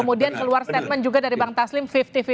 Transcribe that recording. kemudian keluar statement juga dari bang taslim lima puluh lima